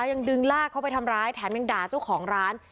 ยังดึงลากเข้าไปทำร้ายแถมยังด่าเจ้าของร้าน